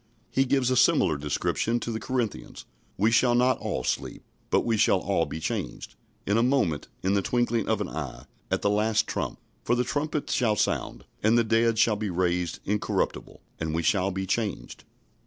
" He gives a similar description to the Corinthians: "We shall not all sleep, but we shall all be changed, in a moment, in the twinkling of an eye, at the last trump: for the trumpet shall sound, and the dead shall be raised incorruptible, and we shall be changed."